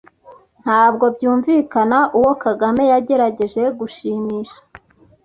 Ntabwo byumvikana uwo Kagame yagerageje gushimisha.